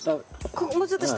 もうちょっと下。